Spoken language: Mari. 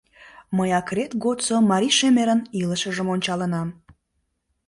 Мый акрет годсо марий шемерын илышыжым ончалынам.